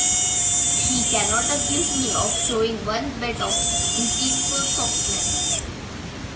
She cannot accuse me of showing one bit of deceitful softness.